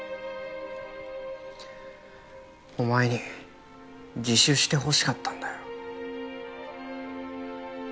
お前に自首してほしかったんだよ。